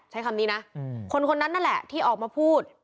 ใช้คำนี้นะคนคนนั้นนั่นแหละที่ออกมาพูด